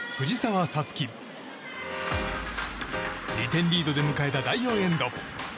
２点リードで迎えた第４エンド。